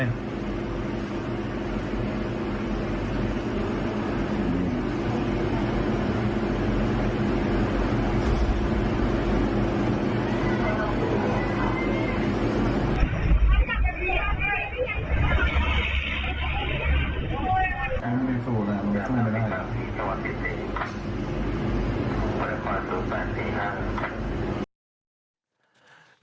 โอ้โฮ